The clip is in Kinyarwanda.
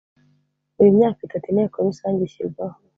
buri myaka itatu Inteko Rusange ishyirwaho